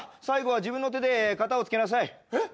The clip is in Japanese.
最後は自分の手で片を付けなさい。